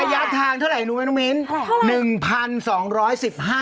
ระยะทางเท่าไหร่หนูมั้ยนุ้มินเท่าไหร่หนึ่งพันสองร้อยสิบห้า